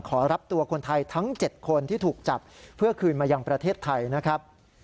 ขอรับตัวคนไทยทั้ง๗คนที่ถูกจับเพื่อคืนมายังประเทศไทยนะครับ